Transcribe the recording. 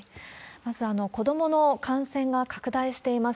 まず子どもの感染が拡大しています。